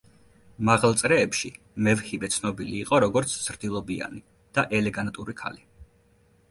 მაღალ წრეებში მევჰიბე ცნობილი იყო როგორც ზრდილობიანი და ელეგანტური ქალი.